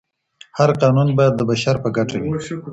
هر قانون باید د بشر په ګټه وي.